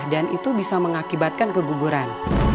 dan itu bisa mengakibatkan keguguran